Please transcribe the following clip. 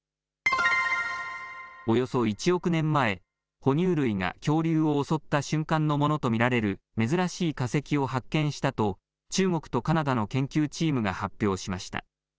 およそ１億年前、哺乳類が恐竜を襲った瞬間のものと見られる珍しい化石を発見したと中国とカナダの研究チームが発表しました。